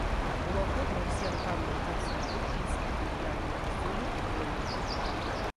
Уваход на ўсе арганныя канцэрты ў пінскім катэдральным касцёле вольны.